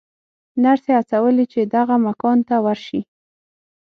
نرسې هڅولې چې دغه مکان ته ورشي.